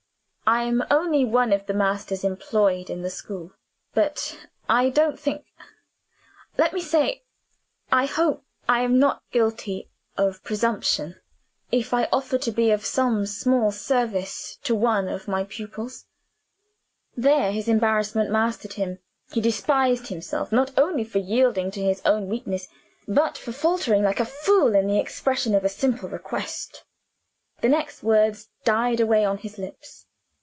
I am only one of the masters employed in the school; but I don't think let me say, I hope I am not guilty of presumption if I offer to be of some small service to one of my pupils " There his embarrassment mastered him. He despised himself not only for yielding to his own weakness, but for faltering like a fool in the expression of a simple request. The next words died away on his lips.